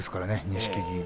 錦木。